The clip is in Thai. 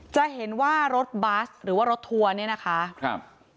จะเห็นว่ารถบัสหรือว่ารถทัวร์เนี่ยนะคะครับ